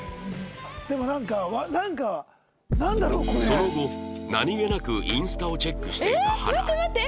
その後何げなくインスタをチェックしていた花